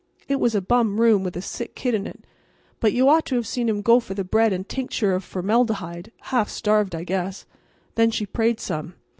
It was a bum room with a sick kid in it. But you ought to have seen him go for the bread and tincture of formaldehyde. Half starved, I guess. Then she prayed some.